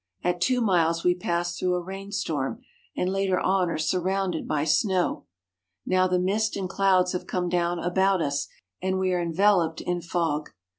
At two miles we pass through a rainstorm, and later on are surrounded by snow. Now the mist and clouds have come down about us, and we are enveloped in fog.